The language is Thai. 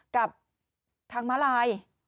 กับทางม้าลาย